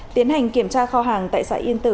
tiến hành kiểm tra kho hàng tại xã yên tử